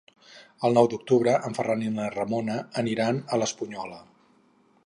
El nou d'octubre en Ferran i na Ramona aniran a l'Espunyola.